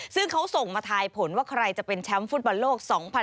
ซึ่งเขาส่งมาทายผลว่าใครจะเป็นแชมป์ฟุตบอลโลก๒๐๑๖